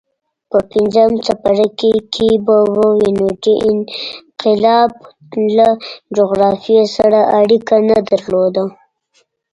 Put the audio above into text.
په پنځم څپرکي کې به ووینو چې انقلاب له جغرافیې سره اړیکه نه درلوده.